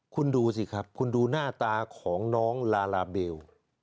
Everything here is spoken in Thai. คุณดูสิครับคุณดูหน้าตาของน้องลาลาเบล